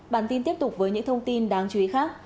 bản tin tiếp tục với những thông tin đáng chú ý khác